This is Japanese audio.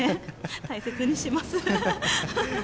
大切にします。